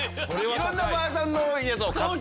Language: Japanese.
いろんなバージョンのを買ったんで。